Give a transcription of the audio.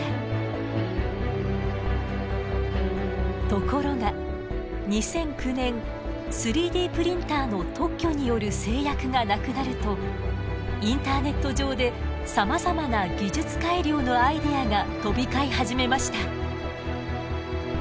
ところが２００９年３Ｄプリンターの特許による制約がなくなるとインターネット上でさまざまな技術改良のアイデアが飛び交い始めました。